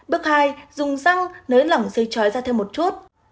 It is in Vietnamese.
bước hai dùng răng nới lỏng dây chói ra thêm một chút